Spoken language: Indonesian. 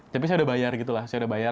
tapi saya udah bayar gitu lah saya udah bayar